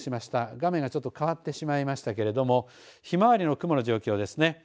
画面がちょっと変わってしまいましたけれどもひまわりの雲の状況ですね。